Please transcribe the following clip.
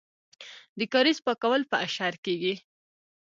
د کاریز پاکول په اشر کیږي.